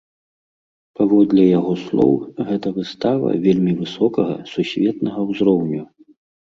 Паводле яго слоў, гэта выстава вельмі высокага, сусветнага ўзроўню.